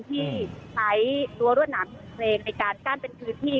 ที่ใช้ตัวรวดหนังปรุงเทรงในการกั้นเป็นคือที่